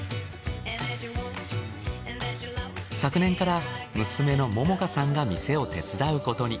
昨年から娘の百夏さんが店を手伝うことに。